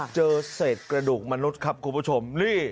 เจอเศษกระดูกมนุษย์ครับคุณผู้ชม